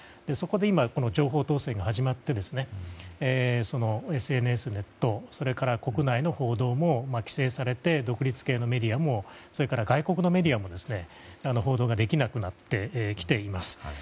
そこで情報統制が始まってＳＮＳと国内の報道も規制されて、独立系のメディアもそれから外国のメディアも報道ができなくなってきています。